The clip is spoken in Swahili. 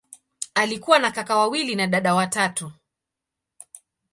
Alikuwa na kaka wawili na dada watatu.